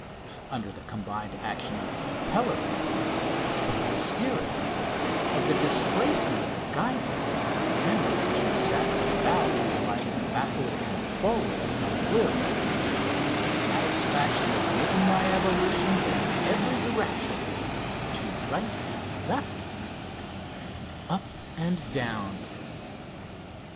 Under the combined action of the propeller impulse, of the steering rudder, of the displacement of the guide rope, and of the two sacks of ballast sliding backward and forward as I willed, I had the satisfaction of making my evolutions in every direction to right and left, and up and down.